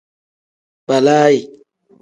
Balaayi.